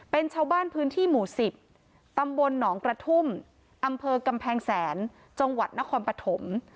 เป็นชาวบ้านพื้นที่หมู่๑๐ตำบลหนองกระทุ่มอำเภอกำแพงแสนจังหวัดนครปฐม